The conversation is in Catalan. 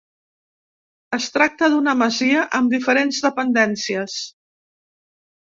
Es tracta d'una masia amb diferents dependències.